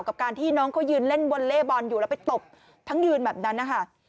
กับการที่น้องเขายืนเล่นวอลเล่บอลอยู่แล้วไปตบทั้งยืนแบบนั้นนะคะ